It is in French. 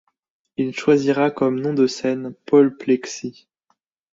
Il choisira comme nom de scène Paul Plexi.